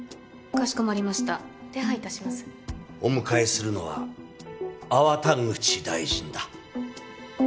お迎えするのは粟田口大臣だ。